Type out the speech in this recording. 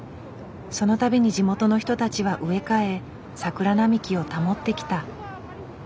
その度に地元の人たちは植え替え桜並木を保ってきた。